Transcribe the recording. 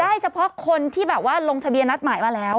เฉพาะคนที่แบบว่าลงทะเบียนนัดหมายมาแล้ว